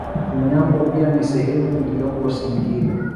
Unyambwa pia ni sehemu iliyoko Singida